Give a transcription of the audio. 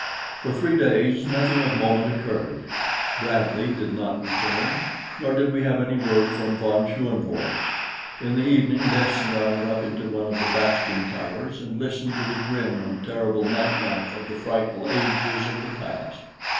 For three days nothing of moment occurred. Bradley did not return; nor did we have any word from von Schoenvorts. In the evening Lys and I went up into one of the bastion towers and listened to the grim and terrible nightlife of the frightful ages of the past.